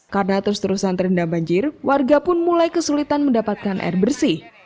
karena terus terusan terendam banjir warga pun mulai kesulitan mendapatkan air bersih